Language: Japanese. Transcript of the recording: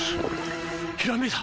ひらめいた！